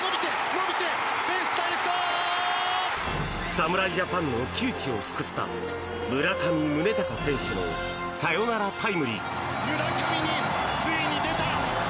侍ジャパンの窮地を救った村上宗隆選手のサヨナラタイムリー。